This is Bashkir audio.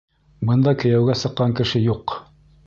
Бында кейәүгә сыҡҡан кеше юҡ.